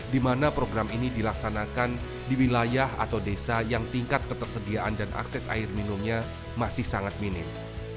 di mana program ini dilaksanakan di wilayah atau desa yang tingkat ketersediaan dan akses air minumnya masih sangat minim